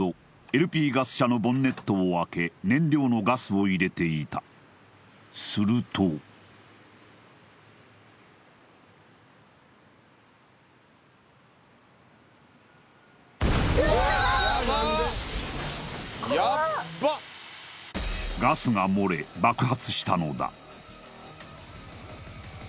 ＬＰガス車のボンネットを開け燃料のガスを入れていたするとガスが漏れ爆発したのだ